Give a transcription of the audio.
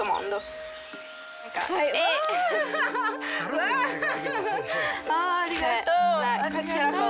わぁありがとう！